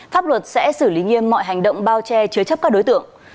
pháp luật sẽ xử lý nghiêm mọi hành động bao che chứa chấp các đối tượng